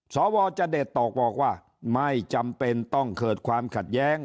สวจเดชตอกบอกว่าไม่จำเป็นต้องเกิดความขัดแย้ง